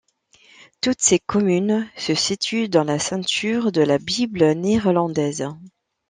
Toutes ces communes se situent dans la ceinture de la Bible néerlandaise.